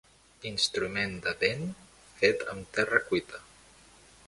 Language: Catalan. Instrument de vent fet amb terra cuita.